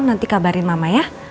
nanti kabarin mama ya